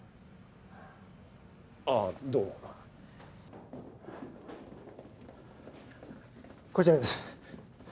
あぁどうも。こちらです。